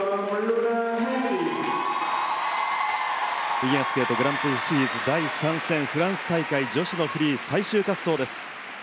フィギュアスケートグランプリシリーズ第３戦フランス大会女子のフリー最終滑走です。